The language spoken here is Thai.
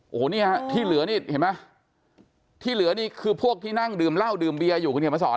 โอ้โหนี่ฮะที่เหลือนี่เห็นไหมที่เหลือนี่คือพวกที่นั่งดื่มเหล้าดื่มเบียอยู่คุณเขียนมาสอน